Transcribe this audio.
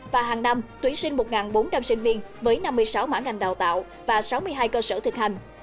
và hàng năm tuyển sinh một bốn trăm linh sinh viên với năm mươi sáu mã ngành đào tạo và sáu mươi hai cơ sở thực hành